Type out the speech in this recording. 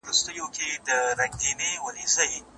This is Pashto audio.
هوښیاري درلره بویه یو صیاد نه دی چي ولاړی